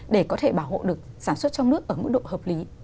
để có thể bảo hộ được sản xuất trong nước ở mức độ hợp lý